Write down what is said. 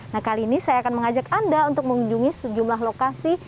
nah kali ini saya akan mengajak anda untuk mengunjungi sejumlah lokasi